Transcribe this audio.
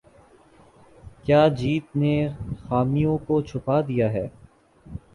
کیا جیت نے خامیوں کو چھپا دیا ہے